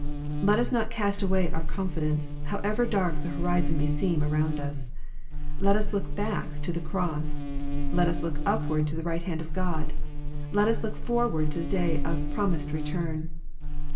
Let us not cast away our confidence, however dark the horizon may seem around us. Let us look bade to the cross. Let us look upward to the right hand of God. Let us look forward to the day of the promised return.